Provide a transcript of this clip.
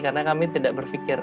karena kami tidak berpikir